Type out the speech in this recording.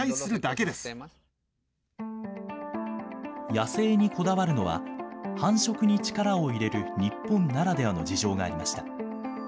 野生にこだわるのは、繁殖に力を入れる日本ならではの事情がありました。